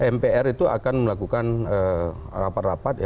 mpr itu akan melakukan rapat rapat